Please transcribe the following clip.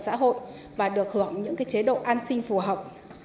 xã hội và được hưởng những chế độ an sinh phù hợp